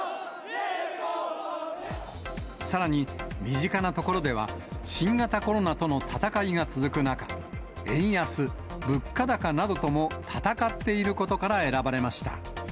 さらに、身近なところでは、新型コロナとの戦いが続く中、円安、物価高などとも戦っていることから選ばれました。